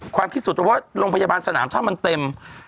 ความคิดส่วนตัวว่าโรงพยาบาลสนามถ้ามันเต็ม